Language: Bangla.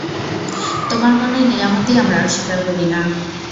তোমার কোন নিয়ামতই আমরা অস্বীকার করি না।